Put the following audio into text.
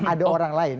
ada orang lain